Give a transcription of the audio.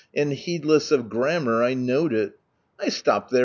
And, "heedless of grammar," I knowe t stopped there am!